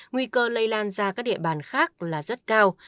nguy cơ lây lan ra các địa bàn khác là rất cao